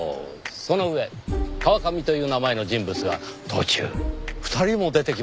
その上川上という名前の人物が途中２人も出てきますからねぇ。